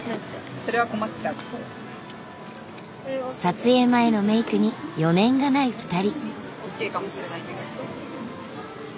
撮影前のメイクに余念がない２人。